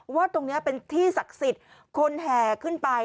ว่าตรงนี้เป็นที่ศักดิ์สิทธิ์คนแห่ขึ้นไป